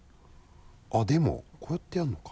あっでもこうやってやるのか。